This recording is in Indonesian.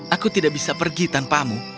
aku tidak bisa pergi tanpamu